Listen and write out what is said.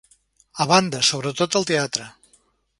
A banda, sobretot al teatre.